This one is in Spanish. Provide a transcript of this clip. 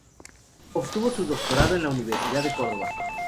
Obtuvo su doctorado en la Universidad de Córdoba.